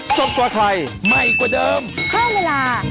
จริง